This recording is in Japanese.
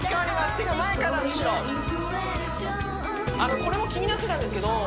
手がこれも気になってたんですけど